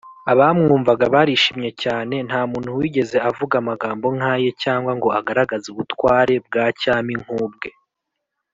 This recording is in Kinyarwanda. . Abamwumvaga barishimye cyane. Nta muntu wigeze avuga amagambo nk’aye cyangwa ngo agaragaze ubutware bwa cyami nk’ubwe.